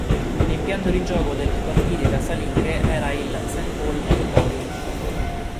L'impianto di gioco della partite casalinghe era il "St. Paul Auditorium".